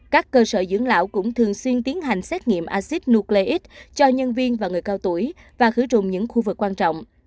các cơ sở dưỡng lão cũng thường xuyên tiến hành xét nghiệm acid nucleic cho nhân viên và người cao tuổi và khử trùng những khu vực quan trọng